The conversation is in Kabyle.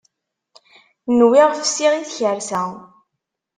Nwiɣ fsiɣ i tkersa.